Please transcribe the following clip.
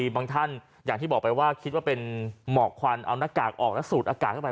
บางท่านอย่างที่บอกไปว่าคิดว่าเป็นหมอกควันเอาหน้ากากออกแล้วสูดอากาศเข้าไป